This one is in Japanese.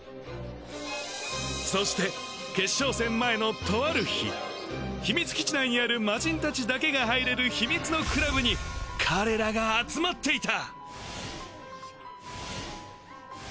そして決勝戦前のとある日秘密基地内にあるマジンたちだけが入れる秘密のクラブに彼らが集まっていた！